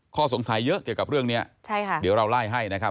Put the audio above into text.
ข้อสงสัยเยอะเกี่ยวกับเรื่องนี้ใช่ค่ะเดี๋ยวเราไล่ให้นะครับ